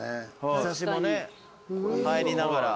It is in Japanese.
日差しもね入りながら。